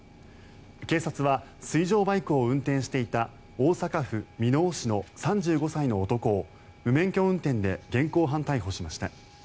警察は水上バイクを運転していた大阪府箕面市の３５歳の男を無免許運転で現行犯逮捕しました。